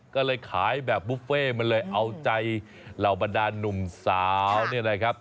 ก็เลยขายแบบบุฟเฟ่มันเลยเอาใจเหล่าบรรดานหนุ่มสาวเนี่ยนะครับ